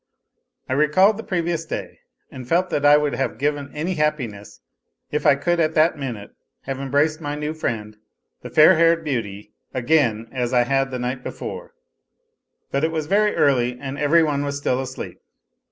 I recalled the previous day and felt that I would have given any happiness if I could at that minute have embraced my new friend, the fair haired beauty, again, as I had the night before ; but it was very early and every one was still asleep.